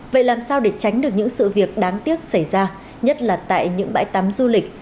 vậy làm sao để tránh được những sự việc đáng tiếc xảy ra nhất là tại những bãi tắm du lịch